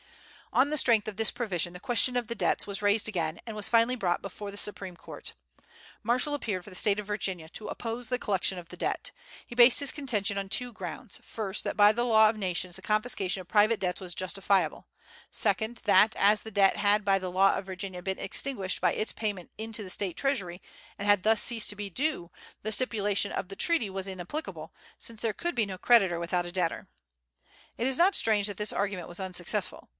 On the strength of this provision, the question of the debts was raised again, and was finally brought before the Supreme Court. Marshall appeared for the State of Virginia, to oppose the collection of the debt. He based his contention on two grounds: first, that by the law of nations the confiscation of private debts was justifiable; second, that, as the debt had by the law of Virginia been extinguished by its payment into the State treasury, and had thus ceased to be due, the stipulation of the treaty was inapplicable, since there could be no creditor without a debtor. It is not strange that this argument was unsuccessful.